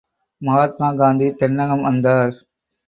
மகாத்மா காந்தி தென்னகம் வந்தார்.